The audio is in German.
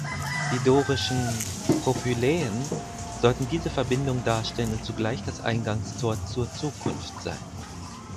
Die dorischen "Propyläen" sollten diese Verbindung darstellen und zugleich das Eingangstor zur Zukunft sein.